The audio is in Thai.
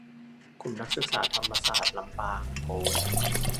กลุ่มนักศึกษาธรรมศาสตร์ ลำปาง โพสต์